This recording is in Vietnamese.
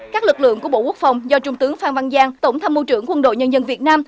các lực lượng của bộ quốc phòng do trung tướng phan văn giang tổng tham mưu trưởng quân đội nhân dân việt nam